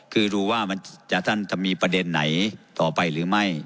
คือดูว่าท่านจะมีประเด็นไหนต่อไปหรือไม่